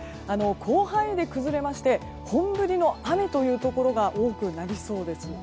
広範囲で崩れまして本降りの雨というところが多くなりそうです。